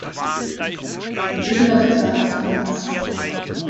Ein edler Ritter auf seinem Ross.